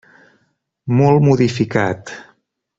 Molt modificat.